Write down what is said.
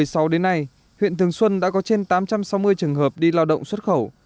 tính từ năm hai nghìn một mươi sáu đến nay huyện thường xuân đã có trên tám trăm sáu mươi trường hợp đi lao động xuất khẩu